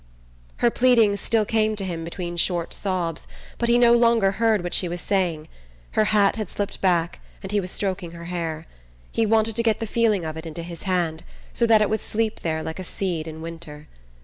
Her pleadings still came to him between short sobs, but he no longer heard what she was saying. Her hat had slipped back and he was stroking her hair. He wanted to get the feeling of it into his hand, so that it would sleep there like a seed in winter.